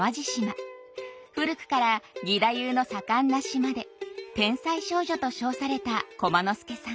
古くから義太夫の盛んな島で天才少女と称された駒之助さん。